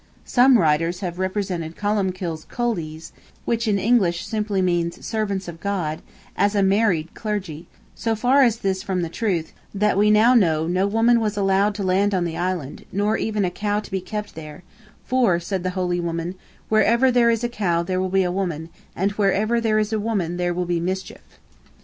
Some writers have represented Columbkill's Culdees, (which in English means simply "Servants of God,") as a married clergy; so far is this from the truth, that we now know, no woman was allowed to land on the island, nor even a cow to be kept there, for, said the holy Bishop, "wherever there is a cow there will be a woman, and wherever there is a woman there will be mischief."